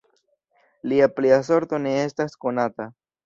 Lia plia sorto ne estas konata.